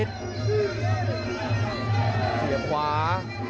เสียบขวา